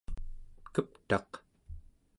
keptaq